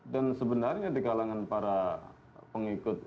dan sebenarnya di kalangan para pengikut